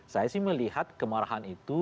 saya sih melihat kemarahan itu